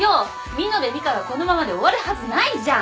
美濃部ミカがこのままで終わるはずないじゃん！